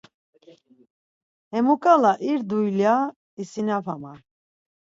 Hemu-ǩala ir duyla isinapaman.